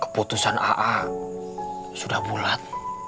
keputusan aa sudah bulat